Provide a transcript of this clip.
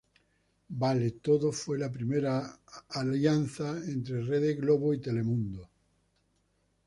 Vale todo fue la primera alianza entre Rede Globo y Telemundo.